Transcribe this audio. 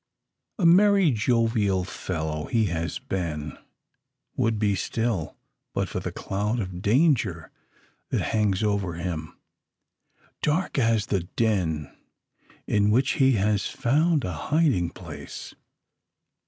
A merry jovial fellow he has been would be still but for the cloud of danger that hangs over him; dark as the den in which he has found a hiding place.